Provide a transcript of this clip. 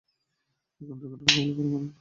এরকম দুর্ঘটনার কবলে পড়ার কোনো মানেই দাঁড়ায় না।